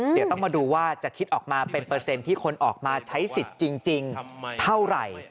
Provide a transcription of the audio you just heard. เดี๋ยวต้องมาดูว่าจะคิดออกมาเป็นเปอร์เซ็นต์ที่คนออกมาใช้สิทธิ์จริงเท่าไหร่